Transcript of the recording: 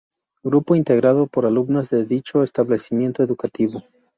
Grupo integrado por alumnas de dicho establecimiento educativo.